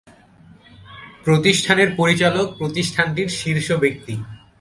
প্রতিষ্ঠানের পরিচালক প্রতিষ্ঠানটির শীর্ষব্যক্তি।